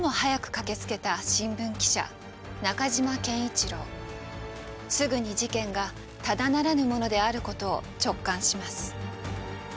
この時すぐに事件がただならぬものであることを直感します。